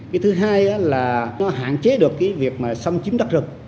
cái thứ hai là nó hạn chế được cái việc mà xâm chím đất rực